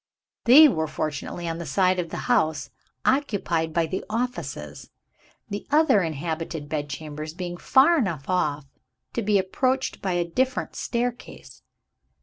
They were fortunately on the side of the house occupied by the offices, the other inhabited bedchambers being far enough off to be approached by a different staircase.